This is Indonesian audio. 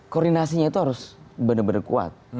koordinasinya itu harus benar benar kuat